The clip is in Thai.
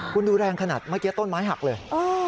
คุณดูแรงขนาดเมื่อกี้ต้นไม้หักเลย